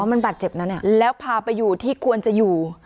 อ๋อมันบาดเจ็บแล้วพาไปอยู่ที่ควรจะอยู่